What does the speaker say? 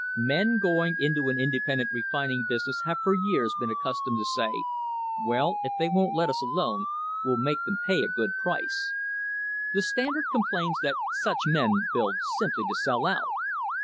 Men going into an independent refining business have for years been accustomed to say : "Well, if they won't let us alone, we'll make them pay a good price." The Standard complains that such men build simply to sell out.